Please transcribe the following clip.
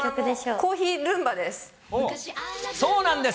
コーヒー・ルンバです。